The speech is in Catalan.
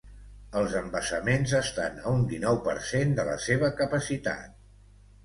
Els embassaments estan a un dinou per cent de la seva capacitat.